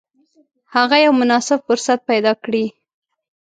هغه یو مناسب فرصت پیدا کړي.